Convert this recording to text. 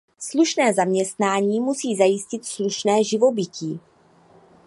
Slušné zaměstnání musí zajistit slušné živobytí.